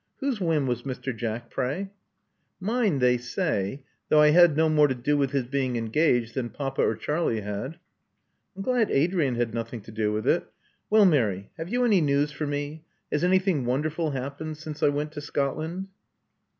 Whose whim was Mr. Jack, pray?" Mine, they say; though I had no more to do with his being engaged than papa or Charlie had." •*I am glad Adrian had nothing to do with it. Well, Mary, have you any news for me? Has anjrthing wonderful happened since I went to Scotland?"